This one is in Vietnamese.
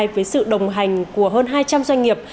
với sự đồng hành của hơn hai trăm linh doanh nghiệp